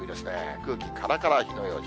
空気からから火の用心。